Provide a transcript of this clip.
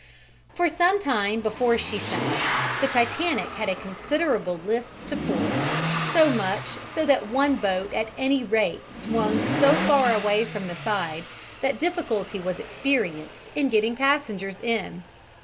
For some time before she sank, the Titanic had a considerable list to port, so much so that one boat at any rate swung so far away from the side that difficulty was experienced in getting passengers in.